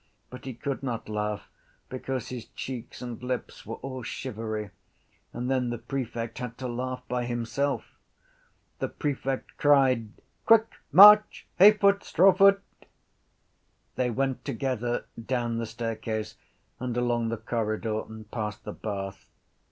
But he could not laugh because his cheeks and lips were all shivery: and then the prefect had to laugh by himself. The prefect cried: —Quick march! Hayfoot! Strawfoot! They went together down the staircase and along the corridor and past the bath.